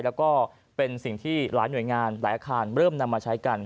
แล้วก็เป็นสิ่งที่หลายหน่วยงานหลายอาคารเริ่มนำมาใช้กัน